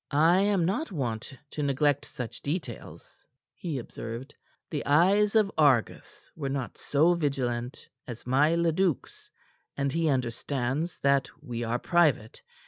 "I am not wont to neglect such details," he observed. "The eyes of Argus were not so vigilant as my Leduc's; and he understands that we are private.